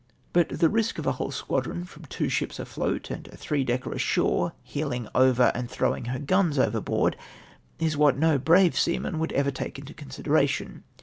But the risk to a whole squadron from two ships afloat, and a three decker ashore, " heeling over, and throiuing her guns overboard,'' is what no brave seaman would ever take into consideration.